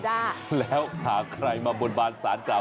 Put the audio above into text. จ้าแล้วหาใครมาบนบานสารกล่าว